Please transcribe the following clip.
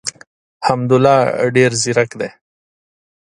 حمدالله ډېر زیرک دی.